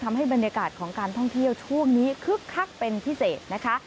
บรรยากาศของการท่องเที่ยวช่วงนี้คึกคักเป็นพิเศษนะคะ